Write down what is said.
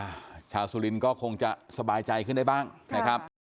ชาวสุรินทร์ก็คงจะสบายใจขึ้นได้บ้างนะครับ